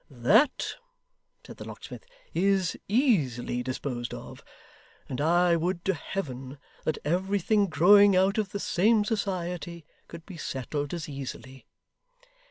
'That,' said the locksmith, 'is easily disposed of, and I would to Heaven that everything growing out of the same society could be settled as easily.